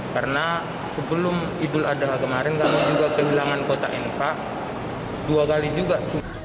karena sebelum idul adha kemarin kamu juga kehilangan kota enpa dua kali juga